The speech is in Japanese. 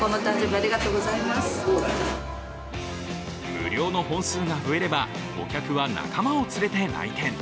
無料の本数が増えればお客は仲間を連れて来店。